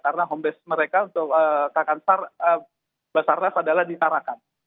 karena home base mereka untuk kakansar basarnas adalah di tarakan